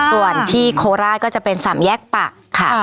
ส่วนที่โคราชก็จะเป็นสามแยกปักค่ะ